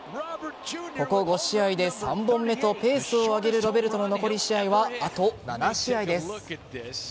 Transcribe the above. ここ５試合で３本目とペースを上げるロベルトの残り試合はあと７試合です。